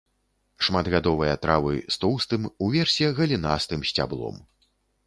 Шматгадовыя травы з тоўстым, уверсе галінастым сцяблом.